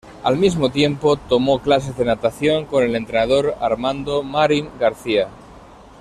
Al mismo tiempo, tomó clases de natación con el entrenador Armando Marin García.